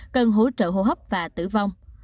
cần hỗ trợ hô hấp và tử vong